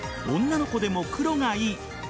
女の子でも黒がいい。